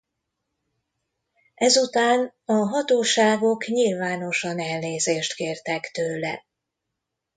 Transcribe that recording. Ezután a hatóságok nyilvánosan elnézést kértek tőle.